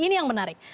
ini yang menarik